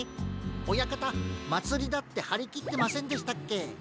おやかたまつりだってはりきってませんでしたっけ？